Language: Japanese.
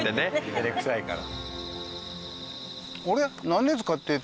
照れくさいから。